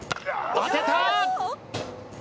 当てた！